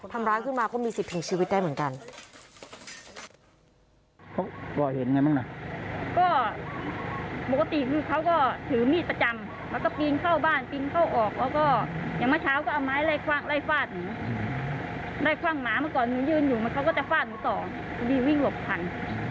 ทำร้ายขึ้นมาก็มีสิทธิ์ถึงชีวิตได้เหมือนกัน